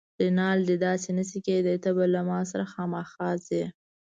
رینالډي: داسې نه شي کیدای، ته به له ما سره خامخا ځې.